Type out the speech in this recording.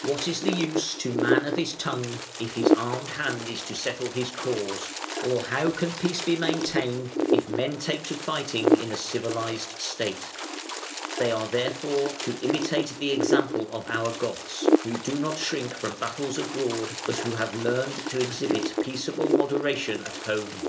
What is the use to man of his tongue, if his armed hand is to settle his cause, or how can peace be maintained if men take to fighting in a civilised State? They are therefore to imitate the example of "our Goths", who do not shrink from battles abroad, but who have learned to exhibit peaceable moderation at home.